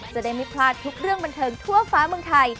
จะได้ไม่พลาดทุกเรื่องบันเทิงทั่วฟ้าเมืองไทย